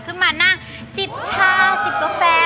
ขึ้นมานั่งจิบชาจิบกาแฟ